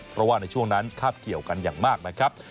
เพราะว่าในช่วงนั้นคาบเกี่ยวกันอย่างมากนะครับ